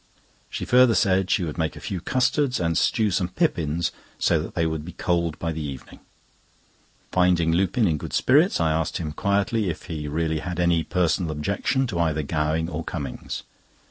She further said she would make a few custards, and stew some pippins, so that they would be cold by the evening. Finding Lupin in good spirits, I asked him quietly if he really had any personal objection to either Gowing or Cummings.